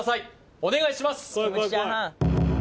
お願いします